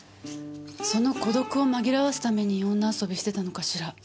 その孤独を紛らわすために女遊びしてたのかしら。